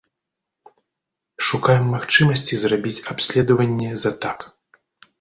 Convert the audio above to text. Шукаем магчымасці зрабіць абследаванне за так.